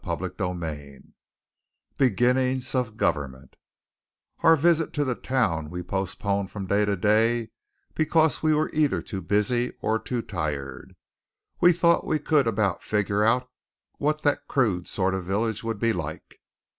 CHAPTER XVIII BEGINNINGS OF GOVERNMENT Our visit to the town we postponed from day to day because we were either too busy or too tired. We thought we could about figure out what that crude sort of village would be like.